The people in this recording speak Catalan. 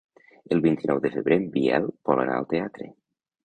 El vint-i-nou de febrer en Biel vol anar al teatre.